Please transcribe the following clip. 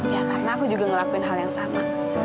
ya karena aku juga ngelakuin hal yang sama